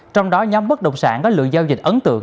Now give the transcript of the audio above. trong đó nhóm bất động sản có lượng giao dịch ấn tượng